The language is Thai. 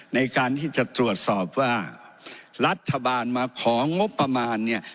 ในการที่จะตรวจสอบว่ารัฐบาลมาของงบประมาณเนี่ย